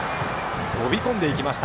飛び込んでいきました。